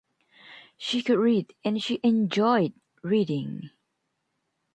She could read and she enjoyed reading.